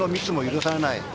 １つのミスも許されない。